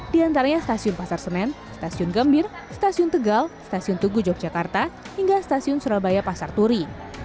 di antaranya stasiun pasar senen stasiun gambir stasiun tegal stasiun tugu yogyakarta hingga stasiun surabaya pasar turi